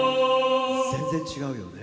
全然違うよね。